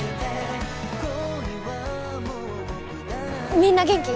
みんな元気？